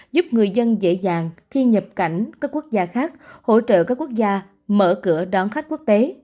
giúp người dân dễ dàng khi nhập cảnh các quốc gia khác hỗ trợ các quốc gia mở cửa đón khách quốc tế